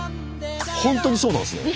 本当にそうなんですね。